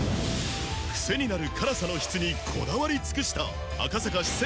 クセになる辛さの質にこだわり尽くした赤坂四川